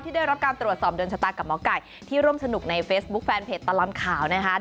ได้รับการตรวจสอบโดนชะตากับหมอไก่ที่ร่วมสนุกในเฟซบุ๊คแฟนเพจตลอดข่าวนะคะ